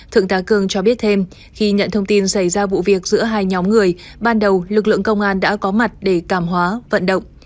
thượng tá cường cho biết thêm khi nhận thông tin xảy ra vụ việc giữa hai nhóm người ban đầu lực lượng công an đã có mặt để cảm hóa vận động